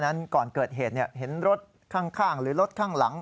ก่อนเกิดเหตุเห็นรถข้างหรือรถข้างหลัง